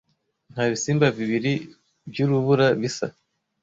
Nta bisimba bibiri byurubura bisa.